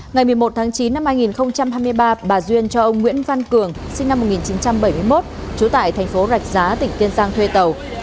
ngày một mươi một tháng chín năm hai nghìn hai mươi ba bà duyên cho ông nguyễn văn cường sinh năm một nghìn chín trăm bảy mươi một trú tại thành phố rạch giá tỉnh tiên giang thuê tàu